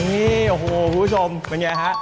นี่โอ้โฮผู้ชมเป็นอย่างไรครับ